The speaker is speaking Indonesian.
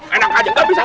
enak aja gak bisa